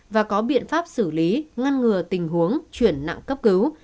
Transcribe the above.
và có biện pháp xử lý ngăn ngừa tình huống chuyển nặng cấp cứu